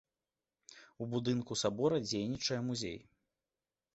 У будынку сабора дзейнічае музей.